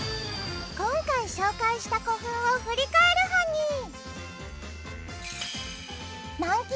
今回紹介した古墳を振り返るハニ。